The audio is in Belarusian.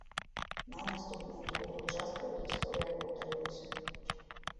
На наступных двух участках гісторыя паўтарылася.